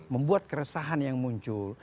membuat keresahan yang muncul